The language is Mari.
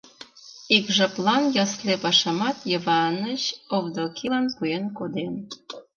Ик жаплан ясле пашамат Йыванич Овдокилан пуэн коден.